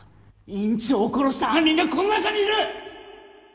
院長を殺した犯人がこの中にいる！